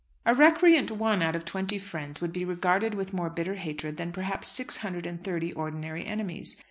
A recreant one out of twenty friends would be regarded with more bitter hatred than perhaps six hundred and thirty ordinary enemies.